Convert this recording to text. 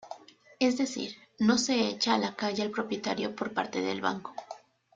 Es decir, no se echa a la calle al propietario por parte del banco.